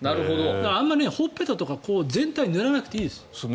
あんまりほっぺたとか全体塗らなくていいです。